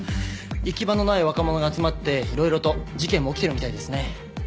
行き場のない若者が集まっていろいろと事件も起きてるみたいですね。